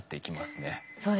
そうですね。